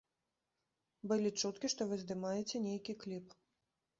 Былі чуткі, што вы здымаеце нейкі кліп.